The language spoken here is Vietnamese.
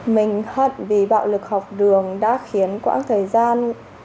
mình hận vì bạo lực học đường đã khiến quãng thời gian